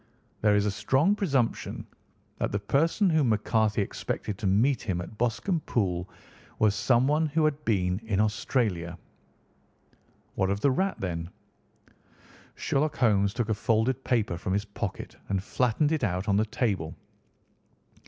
There is a strong presumption that the person whom McCarthy expected to meet him at Boscombe Pool was someone who had been in Australia." "What of the rat, then?" Sherlock Holmes took a folded paper from his pocket and flattened it out on the table.